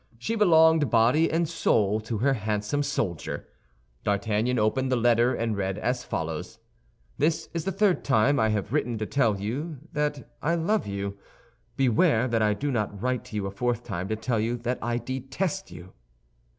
She belonged body and soul to her handsome soldier. D'Artagnan opened the letter and read as follows: This is the third time I have written to you to tell you that I love you. Beware that I do not write to you a fourth time to tell you that I detest you.